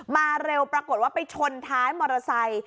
เร็วปรากฏว่าไปชนท้ายมอเตอร์ไซค์